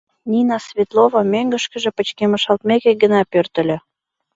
Нина Светлова мӧҥгышкыжӧ пычкемышалтмеке гына пӧртыльӧ.